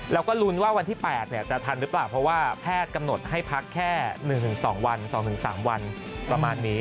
แล้วก็ลุ้นว่าวันที่๘จะทันหรือเปล่าเพราะว่าแพทย์กำหนดให้พักแค่๑๒วัน๒๓วันประมาณนี้